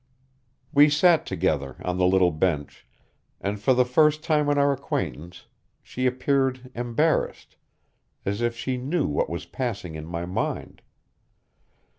We sat together on the little bench, and for the first time in our acquaintance she appeared embarrassed, as if she knew what was passing in my mind.